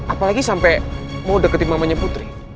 apalagi sampai mau deketin mamanya putri